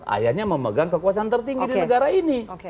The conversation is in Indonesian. ayahnya memegang kekuasaan tertinggi di negara ini